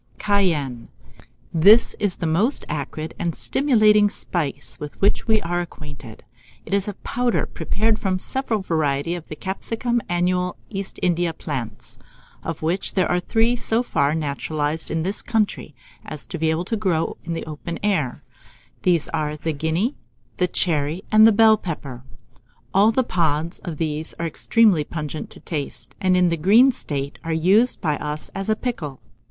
] CAYENNE. This is the most acrid and stimulating spice with which we are acquainted. It is a powder prepared from several varieties of the capsicum annual East India plants, of which there are three so far naturalized in this country as to be able to grow in the open air: these are the Guinea, the Cherry, and the Bell pepper. All the pods of these are extremely pungent to the taste, and in the green state are used by us as a pickle.